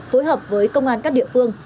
phối hợp với công an các địa phương